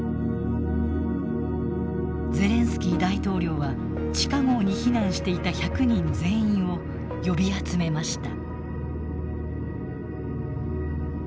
ゼレンスキー大統領は地下壕に避難していた１００人全員を呼び集めました。